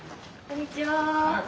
こんにちは。